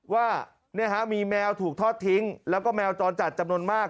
ว่ามีแมวถูกทอดทิ้งแล้วก็แมวจรจัดจำนวนมาก